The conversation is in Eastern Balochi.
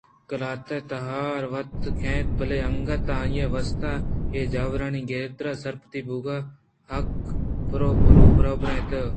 آقلاتءِ تہاروت ءُکیت بلئے انگتءَ آئی ءِ واستہ اے جاورانی گہتری ءُ سرپد بوئگ حاک ءُپُر ءِ بروبر اَنت